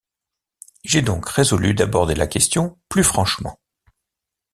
J’ai donc résolu d’aborder la question plus franchement.